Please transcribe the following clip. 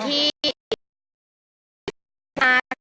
มีแต่โดนล้าลาน